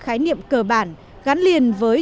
khái niệm cơ bản gắn liền với